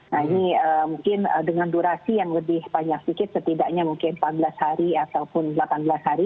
nah ini mungkin dengan durasi yang lebih panjang sedikit setidaknya mungkin empat belas hari ataupun delapan belas hari